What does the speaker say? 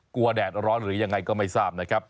แดดร้อนหรือยังไงก็ไม่ทราบนะครับ